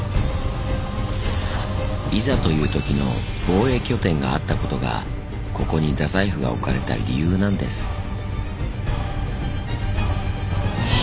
いざという時の防衛拠点があったことがここに大宰府が置かれた理由なんです。